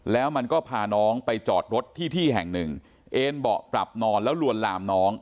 แล้วมันก็พาน้องไปจอดรถที่ที่แห่งหนึ่งเอ็นเบาะปรับนอนแล้วลวนลามน้อง